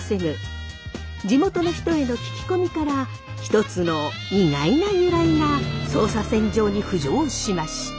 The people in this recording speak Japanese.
地元の人への聞き込みから一つの意外な由来が捜査線上に浮上しました。